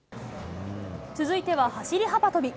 続いては走り幅跳び。